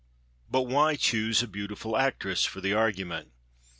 But why choose a beautiful actress for the argument?